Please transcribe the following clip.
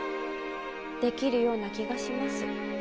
できるような気がします。